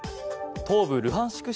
東部ルハンシク